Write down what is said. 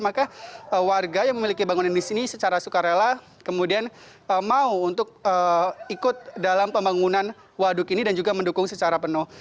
maka warga yang memiliki bangunan di sini secara sukarela kemudian mau untuk ikut dalam pembangunan waduk ini dan juga mendukung secara penuh